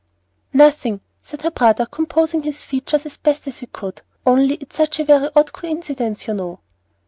"Nothing," said her brother, composing his features as best he could; "only it's such a very odd coincidence, you know."